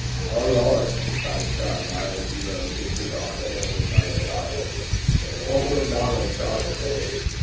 'Oh Lord!' cried Shargar, as he rose with his arm dangling by his side, 'what will Donal' Joss say?